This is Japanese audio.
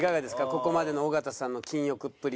ここまでの尾形さんの金欲っぷり。